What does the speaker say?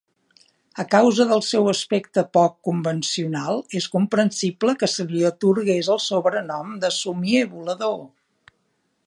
A causa del seu aspecte poc convencional, és comprensible que se li atorgués el sobrenom de "Somier volador".